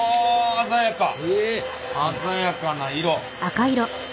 鮮やかな色！